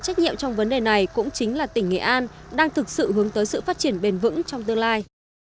trách nhiệm trong vấn đề này cũng chính là tỉnh nghệ an đang thực sự hướng tới sự phát triển bền vững trong tương lai